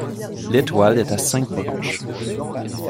L'étoile est à cinq branches.